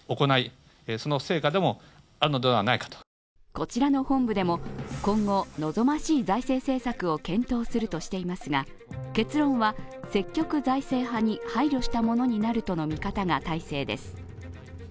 こちらの本部でも今後望ましい財政政策を検討するとしていますが結論は積極財政派に配慮したものになるとの見方が大勢です。